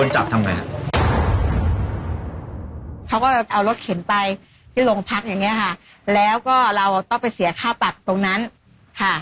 จำไรจำไรเนี่ยวานไรยี่สิบบาทเคยโดนกำ